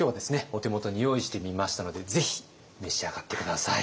お手元に用意してみましたのでぜひ召し上がって下さい。